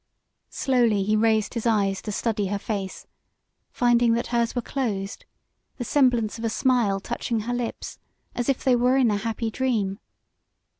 Slowly he raised his eyes to study her face, finding that hers were closed, the semblance of a smile touching her lips as if they were in a happy dream.